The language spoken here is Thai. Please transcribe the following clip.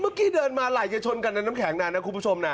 เมื่อกี้เดินมาไหลอย่าชนกับน้ำแข็งนานนะคุณผู้ชมนะ